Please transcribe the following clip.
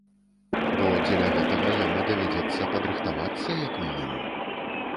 Бо дзеля гэтага яму давядзецца падрыхтавацца, як мінімум.